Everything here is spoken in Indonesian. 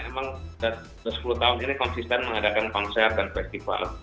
memang sudah sepuluh tahun ini konsisten mengadakan konser dan festival